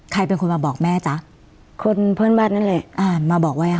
ใครเป็นคนมาบอกแม่จ๊ะคนเพื่อนบ้านนั่นแหละอ่ามาบอกไว้ค่ะ